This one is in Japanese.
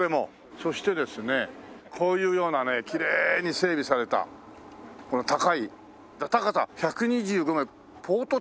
そしてですねこういうようなねきれいに整備されたこの高い高さ１２５メートル